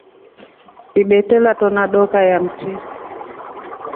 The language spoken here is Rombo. Ibete latona dokaa ya mti.